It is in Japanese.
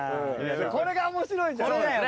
これが面白いじゃんねせの。